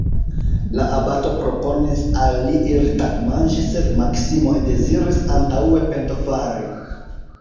La abato proponis al li iri tagmanĝi, sed Maksimo deziris antaŭe pentofari.